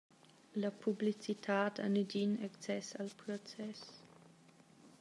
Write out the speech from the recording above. La publicitad ha negin access al process.